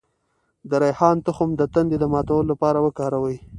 د ریحان تخم د تندې د ماتولو لپاره وکاروئ